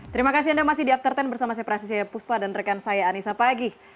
terima kasih anda masih di after sepuluh bersama saya prasidya puspa dan rekan saya anissa pagih